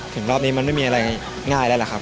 รอบนี้มันไม่มีอะไรง่ายแล้วล่ะครับ